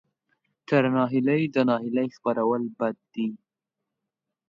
تر ناهیلۍ د ناهیلۍ خپرول بد دي.